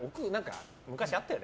昔、あったよね。